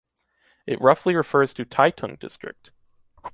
It roughly refers to Taitung district.